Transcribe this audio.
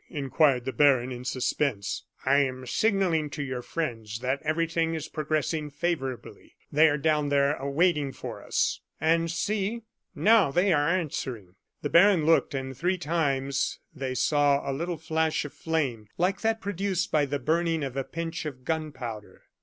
inquired the baron, in suspense. "I am signalling to your friends that everything is progressing favorably. They are down there waiting for us; and see, now they are answering." The baron looked, and three times they saw a little flash of flame like that produced by the burning of a pinch of gunpowder.